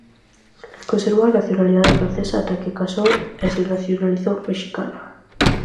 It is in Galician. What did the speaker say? Conservou a nacionalidade francesa ata que casou e se nacionalizou mexicana.